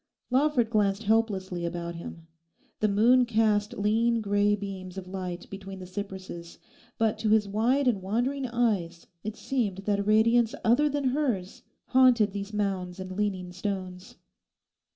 Lawford glanced helplessly about him. The moon cast lean grey beams of light between the cypresses. But to his wide and wandering eyes it seemed that a radiance other than hers haunted these mounds and leaning stones.